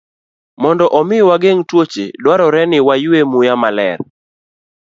Mondo omi wageng' tuoche, dwarore ni waywe muya maler.